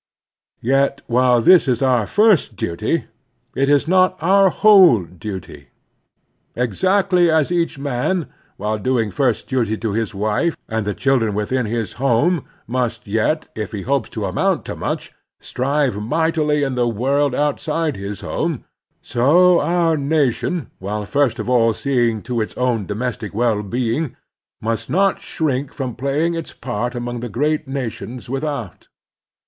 Yet while this is our first duty, it is not our whole duty. Exactly as each man, while doing first his duty to his wife and the children within his home, must yet, if he hopes to amount to much, strive mightily in the worid out side his home, so our nation, while first of all seeing to its own domestic well being, must not shrink from playing its part among the great nations without.